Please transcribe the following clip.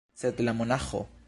Sed la monaĥo?